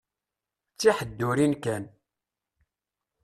D tiheddurin kan.